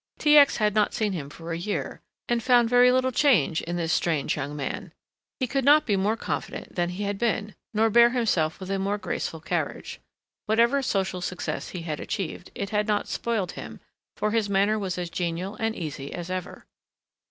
T. X. had not seen him for a year and found very little change in this strange young man. He could not be more confident than he had been, nor bear himself with a more graceful carriage. Whatever social success he had achieved, it had not spoiled him, for his manner was as genial and easy as ever.